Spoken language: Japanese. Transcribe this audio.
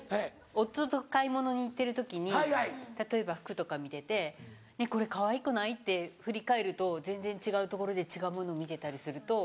夫と買い物に行ってる時に例えば服とか見てて「ねぇこれかわいくない？」って振り返ると全然違うところで違うものを見てたりすると。